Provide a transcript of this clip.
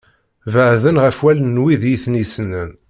Beɛden ɣef wallen n wid i ten-yessnen.